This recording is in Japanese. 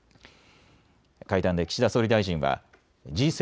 会談で岸田総理大臣はＧ７・